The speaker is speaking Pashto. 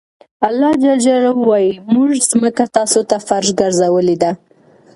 الله ج وایي موږ ځمکه تاسو ته فرش ګرځولې ده.